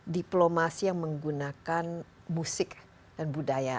diplomasi yang menggunakan musik dan budaya